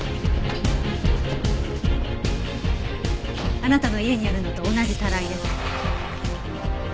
あなたの家にあるのと同じタライです。